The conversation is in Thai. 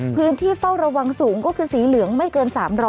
พื้นที่เฝ้าระวังสูงก็คือสีเหลืองไม่เกิน๓๐๐